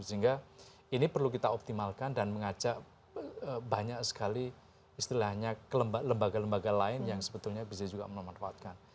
sehingga ini perlu kita optimalkan dan mengajak banyak sekali istilahnya ke lembaga lembaga lain yang sebetulnya bisa juga memanfaatkan